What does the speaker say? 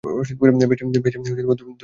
বেশ, দোষটা তবে উনার?